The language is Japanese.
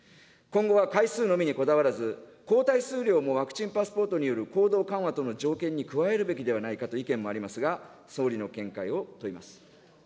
今後は回数のみにこだわらず、抗体数量もワクチンパスポートによる行動緩和等の条件に加えるべきではないかとの意見もありますが、総理の見解を問います。